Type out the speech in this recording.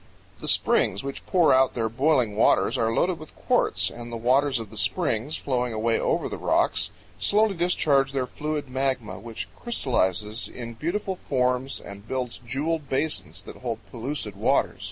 The springs which pour out their boiling waters are loaded with quartz, and the waters of the springs, flowing away over the rocks, slowly discharge their fluid magma, which crystallizes in beautiful forms and builds jeweled basins that hold pellucid waters.